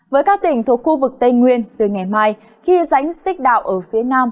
với các tỉnh thuộc khu vực tây nguyên từ ngày mai khi rãnh xích đạo ở phía nam